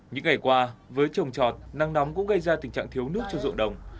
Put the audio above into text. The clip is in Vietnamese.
những ngày qua với trồng trọt nắng nóng cũng gây ra tình trạng thiếu nước cho ruộng đồng